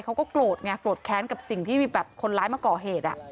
เขาก็โกรธไงโกรธแค้นกับสิ่งที่แบบคนร้ายมาก่อเหตุ